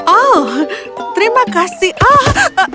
oh terima kasih